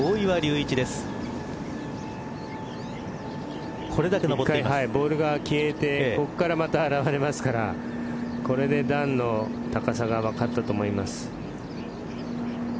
１回ボールが消えてここからまた現れますからこれで段の高さが分かったと思います。